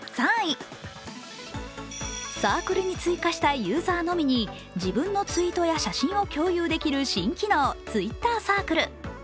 サークルに追加したユーザーのみに自分のツイートや写真を共有できる新機能Ｔｗｉｔｔｅｒサークル。